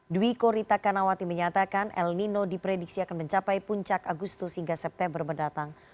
dwi korita kanawati menyatakan el nino diprediksi akan mencapai puncak agustus hingga september mendatang